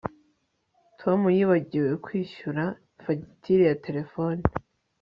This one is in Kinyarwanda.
Tom yibagiwe kwishyura fagitire ya terefone